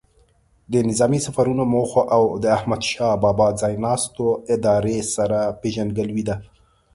د نظامي سفرونو موخو او د احمدشاه بابا ځای ناستو ادارې سره پیژندګلوي ده.